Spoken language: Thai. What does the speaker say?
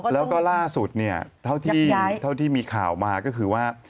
แล้วก็ล่าสุดเนี่ยเท่าที่มีข่าวมาก็คือว่า